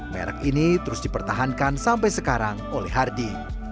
merek ini terus dipertahankan sampai sekarang oleh hardy